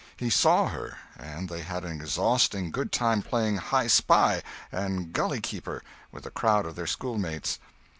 He saw her and they had an exhausting good time playing "hispy" and "gully keeper" with a crowd of their schoolmates.